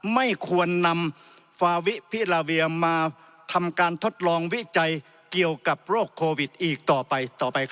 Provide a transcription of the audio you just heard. ไม่ควรนำฟาวิพิลาเวียมาทำการทดลองวิจัยเกี่ยวกับโรคโควิดอีกต่อไปต่อไปครับ